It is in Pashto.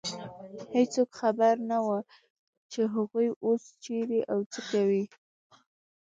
هېڅوک خبر نه و، چې هغوی اوس چېرې او څه کوي.